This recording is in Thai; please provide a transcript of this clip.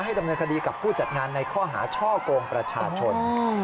ดำเนินคดีกับผู้จัดงานในข้อหาช่อกงประชาชน